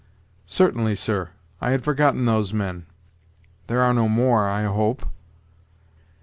"Certainly, sir; I had forgotten those men. There are no more, I hope."